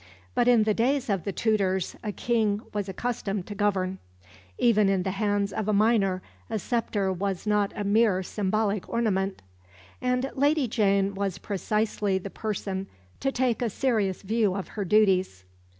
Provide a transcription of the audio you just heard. But in the days of the Tudors a King was accustomed to govern; even in the hands of a minor a sceptre was not a mere symbolic ornament. And Lady Jane was precisely the person to take a serious view of her duties.